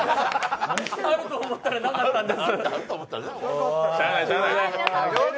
あると思ったらなかったんです。